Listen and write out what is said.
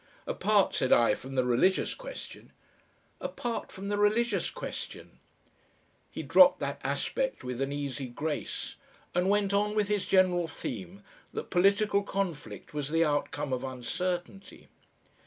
"Apart," said I, "from the religious question." "Apart from the religious question." He dropped that aspect with an easy grace, and went on with his general theme that political conflict was the outcome of uncertainty.